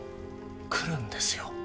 来るんですよ。